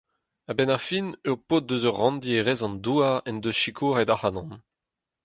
A-benn ar fin, ur paotr eus ur ranndi e rez-an-douar en deus sikouret ac’hanon.